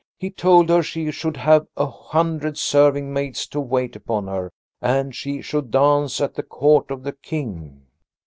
He told her she should have a hundred serving maids to wait upon her, and she should dance at the court of the King.